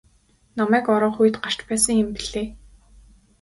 Намайг орох үед гарч байсан юм билээ.